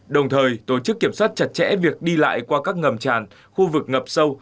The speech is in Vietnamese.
đồng thời tổ chức kiểm soát chặt chẽ việc đi lại qua các ngầm tràn khu vực ngập sâu